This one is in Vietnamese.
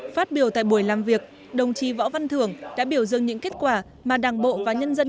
phát biểu tại buổi làm việc đồng chí võ văn thưởng đã biểu dương những kết quả mà đảng bộ và nhân dân